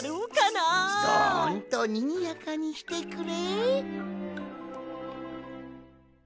どんとにぎやかにしてくれ。